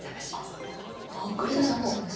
あっあおいで冷ますんですか。